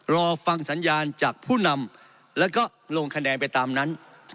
รอฟังสัญญาณจากผู้นำแล้วก็ลงคะแนนไปตามนั้น